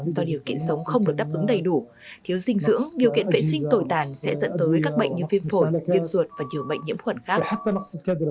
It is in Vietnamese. thiếu sinh dưỡng điều kiện vệ sinh tồi tàn sẽ dẫn tới các bệnh như viêm phổi viêm ruột và nhiều bệnh nhiễm khuẩn khác